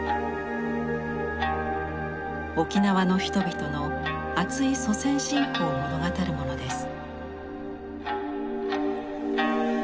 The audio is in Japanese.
沖縄の人々のあつい祖先信仰を物語るものです。